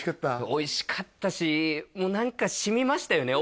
おいしかったしもう何かしみましたよね